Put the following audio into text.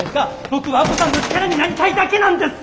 僕は亜子さんの力になりたいだけなんです！